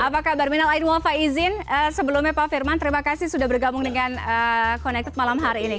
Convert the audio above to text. apa kabar minal ainwafa izin sebelumnya pak firman terima kasih sudah bergabung dengan connected malam hari ini